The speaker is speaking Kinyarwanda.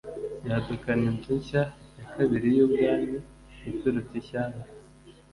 yadukana inzu nshya ya kabiri y'ubwami iturutse ishyanga